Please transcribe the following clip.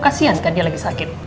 kasian kan dia lagi sakit